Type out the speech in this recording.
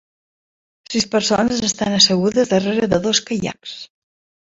Sis persones estan assegudes darrere de dos caiacs.